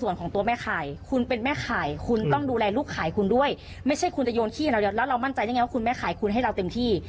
แล้วเรามั่นใจได้ยังไงว่าคุณแม่ขายคุณให้เราเต็มที่